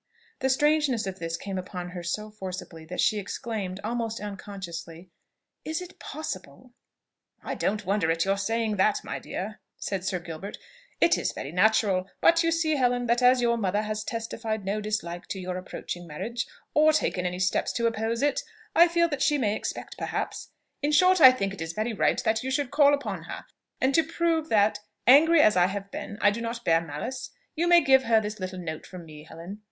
The strangeness of this came upon her so forcibly, that she exclaimed, almost unconsciously, "Is it possible!" "I don't wonder at your saying that, my dear," said Sir Gilbert: "It is very natural. But you see, Helen, that as your mother has testified no dislike to your approaching marriage, or taken any steps to oppose it, I feel that she may expect, perhaps, in short, I think it is very right that you should call upon her; and to prove that, angry as I have been, I do not bear malice, you may give her this little note from me, Helen.